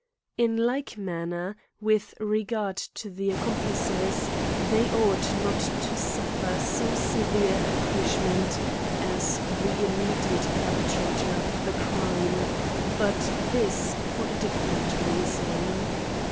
In like manner, with regard to the accomplices, they ought not to suffer so severe a punishment as the immediate perpetrator of the crime : but this for a different reason.